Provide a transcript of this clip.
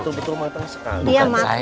betul betul matang sekali